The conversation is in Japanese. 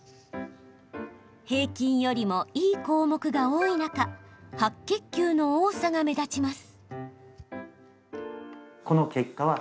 平均よりもいい項目が多い中白血球の多さが目立ちます。